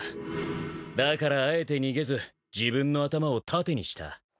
だからあえて逃げず自分の頭を盾にした。